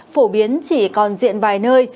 phổ biến chỉ còn diện vài nơi